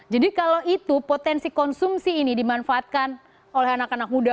jadi kalau itu potensi konsumsi ini dimanfaatkan oleh anak anak muda